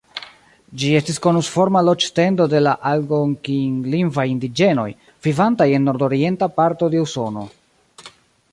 Ĝi estis konusforma loĝ-tendo de la algonkin-lingvaj indiĝenoj, vivantaj en nordorienta parto de Usono.